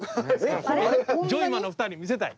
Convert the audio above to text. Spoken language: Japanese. ジョイマンの２人に見せたい？